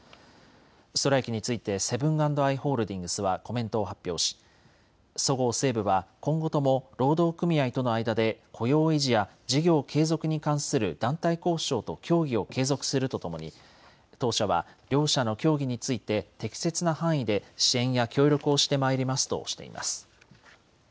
ストライキについてセブン＆アイ・ホールディングスはコメントを発表しそごう・西武は今後とも労働組合との間で雇用維持や事業継続に関する団体交渉と協議を継続するとともに当社は両者の協議について適切な範囲で支援や協力をしてまいりますとしています。